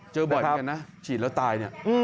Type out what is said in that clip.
เจอบ่อยกันนะฉีดแล้วตาย